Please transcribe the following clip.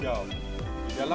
di dalam pemetikan kita pilih